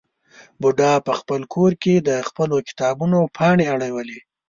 بوډا په خپل کور کې د خپلو کتابونو پاڼې اړولې.